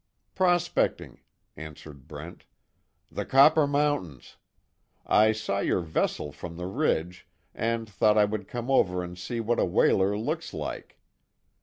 "Prospecting," answered Brent, "The Copper Mountains. I saw your vessel from the ridge, and thought I would come over and see what a whaler looks like."